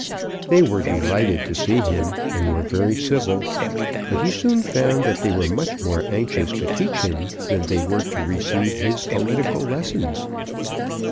They were delighted to see him, and were very civil; but he soon found that they were much more anxious to teach him than they were to receive his political lessons.